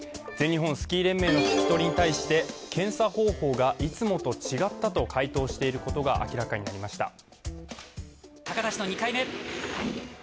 全日本スキー連盟の聞き取りに対して検査方法がいつもと違ったと回答していることが明らかになりました。